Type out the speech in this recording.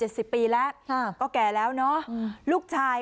โดย